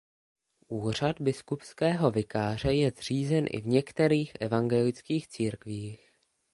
Úřad biskupského vikáře je zřízen i v některých evangelických církvích.